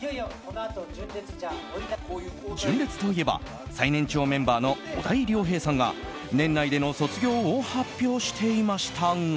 純烈といえば最年長メンバーの小田井涼平さんが年内での卒業を発表していましたが。